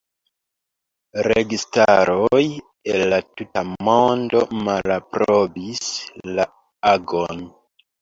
Registaroj el la tuta mondo malaprobis la agon.